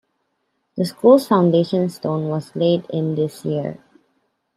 The school's foundation stone was laid in this year.